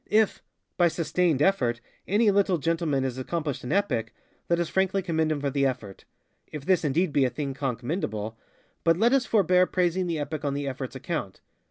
If, by ŌĆ£sustained effort, ŌĆØ any little gentleman has accomplished an epic, let us frankly commend him for the effortŌĆöif this indeed be a thing conk mendableŌĆöbut let us forbear praising the epic on the effortŌĆÖs account.